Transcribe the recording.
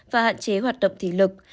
và hạn chế hoạt động thí lực